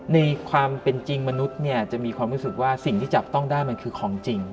ในความเป็นจริงมนุษย์เนี่ยจะมีความรู้สึกว่าสิ่งที่จับต้องได้มันคือของจริง